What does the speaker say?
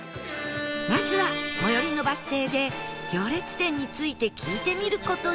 まずは最寄りのバス停で行列店について聞いてみる事に